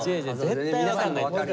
絶対分かんないって。